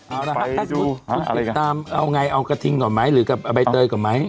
เอาล่ะฮะไปดูอะไรกันถ้าคุณติดตามเอาไงเอากระทิงก่อนไหมหรือกับใบเตยก่อนไหม